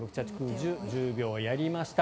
１０秒やりました。